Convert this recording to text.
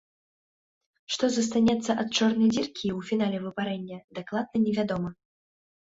Што застанецца ад чорнай дзіркі ў фінале выпарэння, дакладна не вядома.